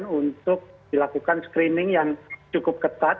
untuk dilakukan screening yang cukup ketat